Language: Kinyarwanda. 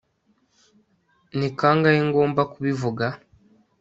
ni kangahe ngomba kubivuga